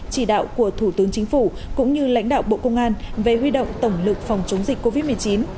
chỉ đạo của thủ tướng chính phủ cũng như lãnh đạo bộ công an về huy động tổng lực phòng chống dịch covid một mươi chín